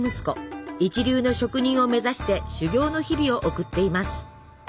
一流の職人を目指して修業の日々を送っています。